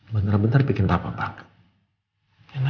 bener bener bikin papa banget